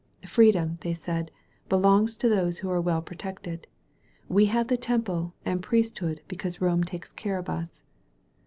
Freedom," they said, "belongs to those who are well protected. We have the Temple and priest hood because Rome takes care of us."